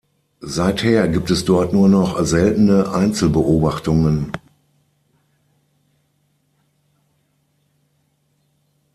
Seither gibt es dort nur noch seltene Einzelbeobachtungen.